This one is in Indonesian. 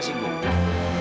hari ulang tahunnya kita